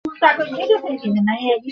ওরা সাধারণ অ্যাজেন্টদের মতো দেখতে নয়।